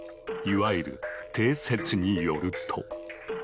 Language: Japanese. いわゆる「定説」によると。